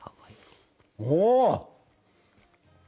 お！